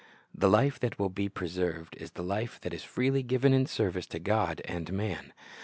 The life that will be preserved is the life that is freely given in service to God and man.